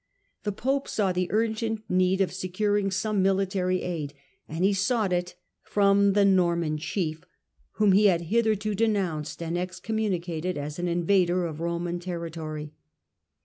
The pope saw the urgent nee d of secu ring some military aid, and he sought it from the ^Torman chieFl^lIom he had hitherto denounced and excommunicated as an^ invader of Roman territory.